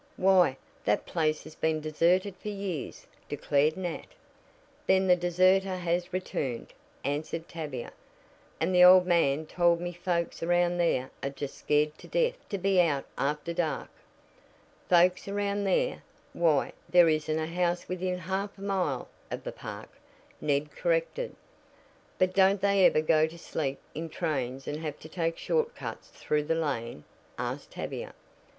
"Why, that place has been deserted for years," declared Nat. "Then the deserter has returned," answered Tavia, "and the old man told me folks around there are just scared to death to be out after dark." "Folks around there? Why, there isn't a house within half a mile of the park," Ned corrected. "But don't they ever go to sleep in trains and have to take short cuts through the lane?" Tavia asked.